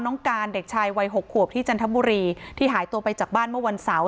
น้องการเด็กชายวัย๖ขวบที่จันทบุรีที่หายตัวไปจากบ้านเมื่อวันเสาร์